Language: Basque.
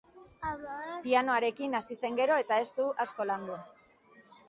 Pianoarekin hasi zen gero, eta ez du asko landu.